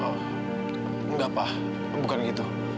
oh enggak pak bukan gitu